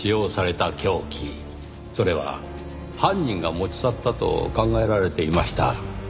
それは犯人が持ち去ったと考えられていました。